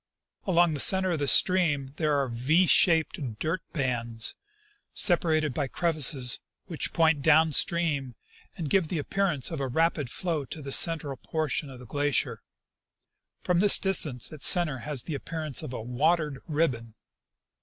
Along the center of the stream there are V shaped dirt bands, separated by 'crevasses, which point down stream and give the appearance of a rapid flow to the central portion of the glacier. From this distance its center has the appearance of ' watered ' ribbon.